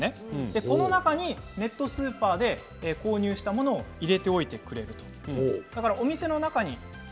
この中にネットスーパーで購入したものを入れておいてくれるというものです。